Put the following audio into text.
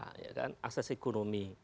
untuk akses wisata akses ekonomi